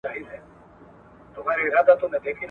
ایا احمدشاه بابا په کابل کې خښ دی؟